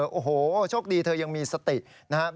โอ้โหโชคดีเธอยังมีสตินะครับ